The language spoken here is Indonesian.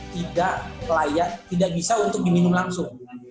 tidak layak tidak bisa untuk diminum langsung